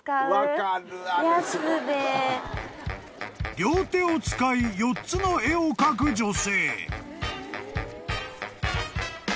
［両手を使い４つの絵を描く女性］